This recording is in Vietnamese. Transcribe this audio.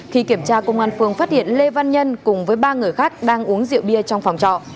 khi kiểm tra công an phường phát hiện lê văn nhân cùng với ba người khác đang uống rượu bia trong phòng trọ